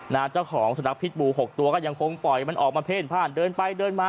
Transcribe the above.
เจ้าของสุนัขพิษบูหกตัวก็ยังคงปล่อยมันออกมาเพ่นพ่านเดินไปเดินมา